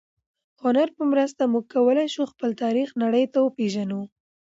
د هنر په مرسته موږ کولای شو خپل تاریخ نړۍ ته وپېژنو.